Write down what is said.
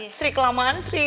istri kelamaan istri